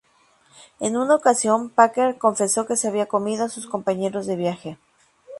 En una ocasión Packer confesó que se había comido a sus compañeros de viaje.